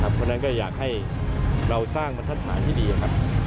เพราะฉะนั้นก็อยากให้เราสร้างบรรทัศน์หมายที่ดีครับ